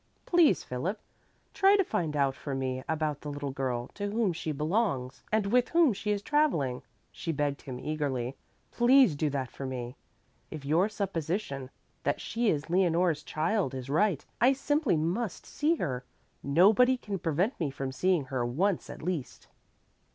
"Please, Philip, try to find out for me about the little girl, to whom she belongs, and with whom she is travelling," she begged him eagerly. "Please do that for me! If your supposition, that she is Leonore's child is right, I simply must see her. Nobody can prevent me from seeing her once at least."